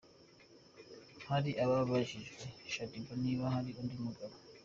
Hari uwabajije Shadyboo niba hari undi mugabo